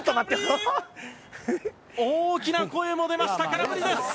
大きな声も出ました空振りです！